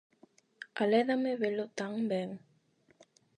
Alédame velo tan ben.